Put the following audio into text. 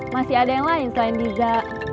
masih ada yang lain selain diza